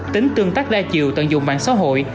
tính tương tác đa chiều tận dụng mạng xã hội